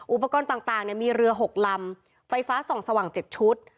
อุปกรณ์ต่างมีเรือ๖ลำไฟฟ้าส่องสว่าง๗ชุด